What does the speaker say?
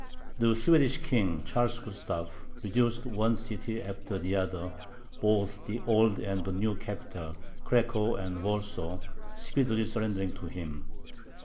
The Swedish King, Charles Gustav, reduced one city after the other, both the old and the new capital, Cracow and Warsaw, speedily surrendering to him.